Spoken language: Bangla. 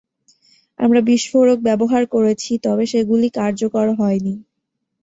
আমরা বিস্ফোরক ব্যবহার করেছি তবে সেগুলি কার্যকর হয়নি।